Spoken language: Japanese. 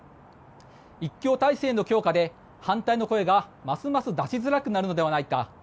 一強体制の強化で、反対の声がますます出しづらくなるのではないか。